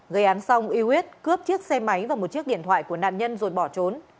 gây án xong uy huyết cướp chiếc xe máy và một chiếc điện thoại của nạn nhân rồi bỏ trốn